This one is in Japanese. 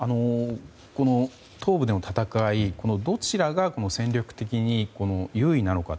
東部での戦いはどちらが戦略的に優位なのか。